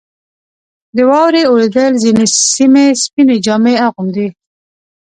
• د واورې اورېدل ځینې سیمې سپینې جامې اغوندي.